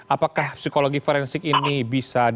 apakah psikologi forensik ini bisa